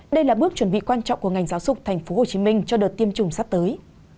đây là bước chuẩn bị quan trọng của ngành giáo dục tp hcm cho đợt tiêm chủng sắp tới